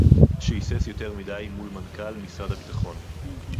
"שהיסס יותר מדי מול מנכ"ל משרד הביטחון"